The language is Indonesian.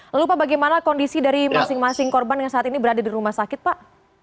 lalu pak bagaimana kondisi dari masing masing korban yang saat ini berada di rumah sakit pak